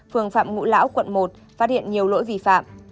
phường phạm ngũ lão quận một phát hiện nhiều lỗi vi phạm